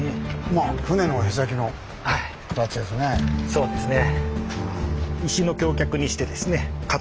そうですね。